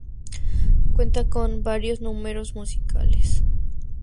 Cuenta con varios números musicales.